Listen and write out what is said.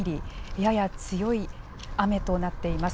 やや強い雨となっています。